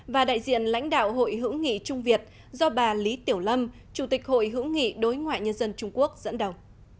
và đại diện lãnh đạo hội hữu nghị trung việt do bà lý tiểu lâm chủ tịch hội hữu nghị đối ngoại nhân dân trung quốc dẫn đầu